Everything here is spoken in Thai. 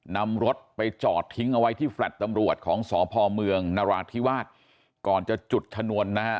นำรถไปจอดทิ้งเอาไว้ที่แฟลต์ตำรวจของสพเมืองนราธิวาสก่อนจะจุดชนวนนะฮะ